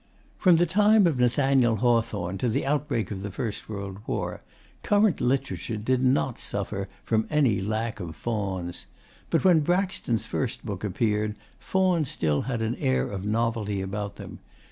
From the time of Nathaniel Hawthorne to the outbreak of the war, current literature did not suffer from any lack of fauns. But when Braxton's first book appeared fauns had still an air of novelty about them.